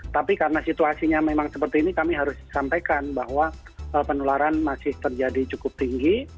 tapi karena situasinya memang seperti ini kami harus sampaikan bahwa penularan masih terjadi cukup tinggi